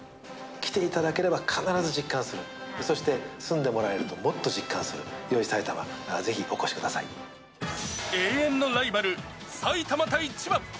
来ていただければ、必ず実感する、そして住んでもらえるともっと実感する、埼玉、ぜひお越し永遠のライバル、埼玉対千葉。